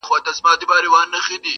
چي د کابل ګرېوان ته اور توی که٫